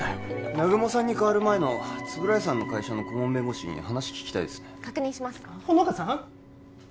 南雲さんにかわる前の円谷さんの会社の顧問弁護士に話聞きたいですね確認します穂乃果さん！